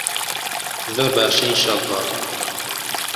زۆر باشە ئینشەڵا.